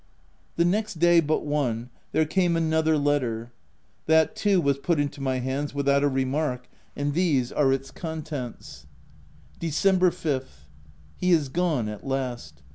The next day but one, there came another letter. That too was put into my hands with out a remark, and these are its contents :— Dec. 5th. " He is gone at last.